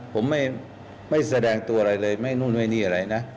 ผมไม่แสดงตัวอะไรเลย